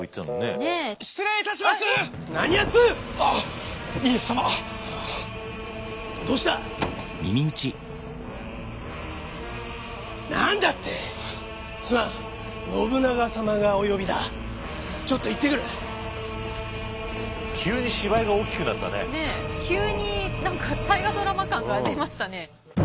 ねっ急に何か「大河ドラマ」感が出ましたね。